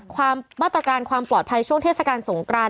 ความมาตรการความปลอดภัยช่วงเทศกาลสงกราน